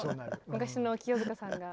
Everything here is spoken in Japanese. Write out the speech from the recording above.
昔の清塚さんが。